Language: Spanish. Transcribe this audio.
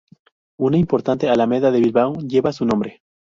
Una importante alameda de Bilbao lleva su nombre.